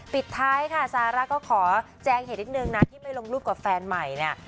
ปิดท้ายค่ะซาร่าก็ขอแจงเหตุนิดนึงนะที่ไม่ลงรูปกับแฟนใหม่เนี่ย